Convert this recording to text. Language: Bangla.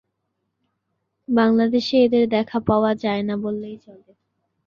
বাংলাদেশে এদের দেখা পাওয়া যায়না বললেই চলে।